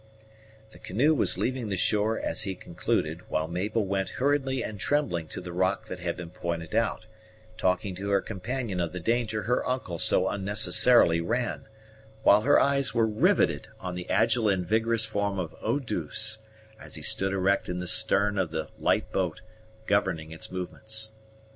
The canoe was leaving the shore as he concluded, while Mabel went hurriedly and trembling to the rock that had been pointed out, talking to her companion of the danger her uncle so unnecessarily ran, while her eyes were riveted on the agile and vigorous form of Eau douce, as he stood erect in the stern of the light boat, governing its movements.